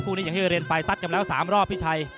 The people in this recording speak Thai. คู่นี้ยังให้เรียนไปซัดกันแล้ว๓รอบพี่ชัย